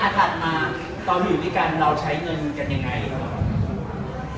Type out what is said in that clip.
ถ้าถัดมาตอนอยู่ดีกันเราใช้เงินกันอย่างไรดีแล้วเหรอ